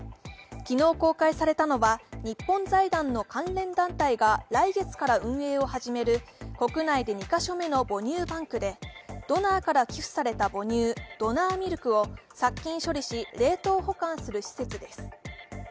昨日公開されたのは、日本財団の関連団体が来月から運営を始める国内で２ヶ所目の母乳バンクでドナーから寄付された母乳ドナーミルクを殺菌処理し、冷凍保管する施設です。